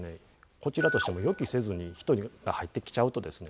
こちらとしても予期せずに人が入ってきちゃうとですね